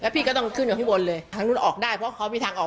พี่ก็ต้องขึ้นอยู่ข้างบนเลยทางนู้นออกได้เพราะเขามีทางออก